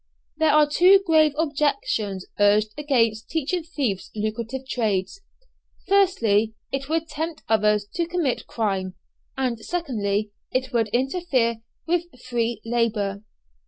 There are two grave objections urged against teaching thieves lucrative trades. Firstly, it would tempt others to commit crime; and secondly, it would interfere with free labour.